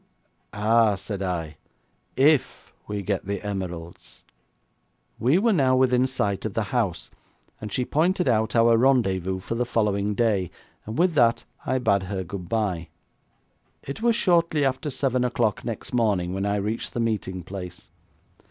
'Ah,' said I, 'if we get the emeralds.' We were now within sight of the house, and she pointed out our rendezvous for the following day, and with that I bade her good bye. It was shortly after seven o'clock next morning when I reached the meeting place.